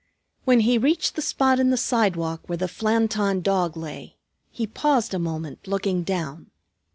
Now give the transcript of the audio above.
When he reached the spot in the sidewalk where the Flanton Dog lay, he paused a moment looking down.